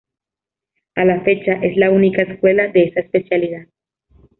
A la fecha, es la única escuela de esa especialidad.